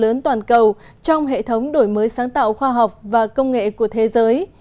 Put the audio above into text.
lớn toàn cầu trong hệ thống đổi mới sáng tạo khoa học và công nghệ của thế giới